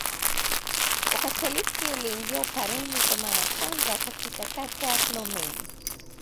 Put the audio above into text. Ukatoliki uliingia Upareni kwa mara ya kwanza katika kata ya Kilomeni